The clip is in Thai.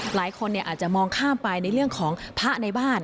หลายคนอาจจะมองข้ามไปในเรื่องของพระในบ้าน